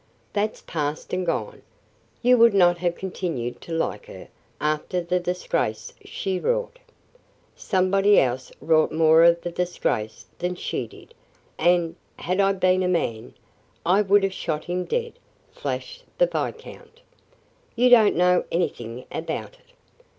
"That's past and gone. You would not have continued to like her, after the disgrace she wrought." "Somebody else wrought more of the disgrace than she did; and, had I been a man, I would have shot him dead," flashed the viscount. "You don't know anything about it."